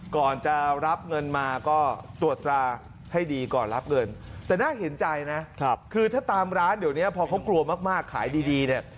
ก่อนจะรับเงินมาก็ตรวจตราให้ดีก่อนรับเงินแต่น่าเห็นใจนะคือถ้าตามร้านเดี๋ยวนี้พอเขากลัวมากขายดีเนี่ย